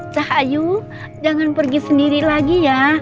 cahayu jangan pergi sendiri lagi ya